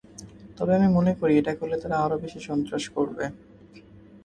তবে আমি মনে করি, এটা করলে তারা আরও বেশি সন্ত্রাস করবে।